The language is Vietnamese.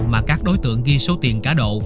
mà các đối tượng ghi số tiền cá độ